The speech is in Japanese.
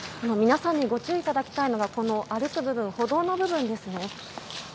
皆さんにご注意いただきたいのが歩く部分歩道の部分ですね。